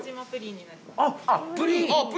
あっプリン。